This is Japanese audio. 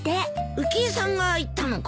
浮江さんが言ったのか？